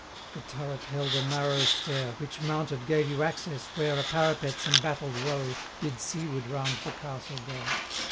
The turret held a narrow stair, Which, mounted, gave you access where A parapet's embattled row Did seaward round the castle go.